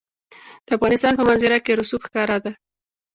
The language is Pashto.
د افغانستان په منظره کې رسوب ښکاره ده.